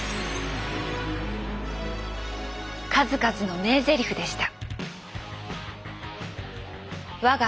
数々の名ゼリフでした。